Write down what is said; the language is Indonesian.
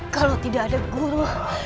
kalau tidak ada guru